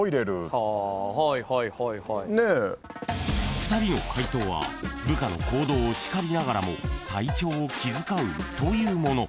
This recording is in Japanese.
［２人の解答は部下の行動を叱りながらも体調を気遣うというもの］